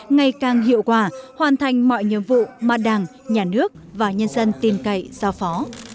ngày càng hiệu quả hoàn thành mọi nhiệm vụ mà đảng nhà nước và nhân dân tin cậy giao phó